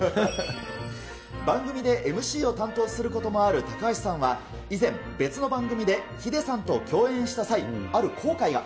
番組でＭＣを担当することもある高橋さんは、以前、別の番組でヒデさんと共演した際、ある後悔が。